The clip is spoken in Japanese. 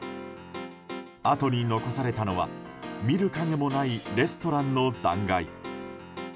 あとに残されたのは見る影もないレストランの残骸。